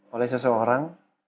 oleh siapa yang